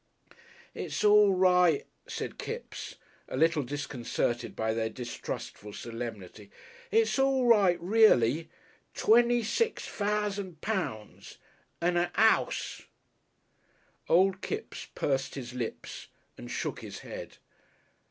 "It's all right," said Kipps a little disconcerted by their distrustful solemnity. "It's all right reely! Twenny six fousan' pounds. And a 'ouse " Old Kipps pursed his lips and shook his head.